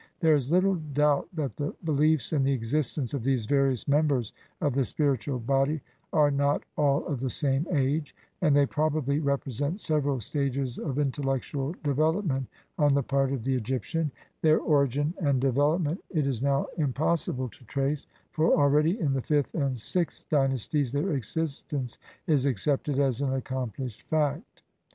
There is little doubt that the beliefs in the existence of these various members of the spiritual body are not all of the same age, and they probably represent several stages of intel lectual development on the part of the Egyptian ; their origin and development it is now impossible to trace, for already in the fifth and sixth dynasties their exis tence is accepted as an accomplished fact.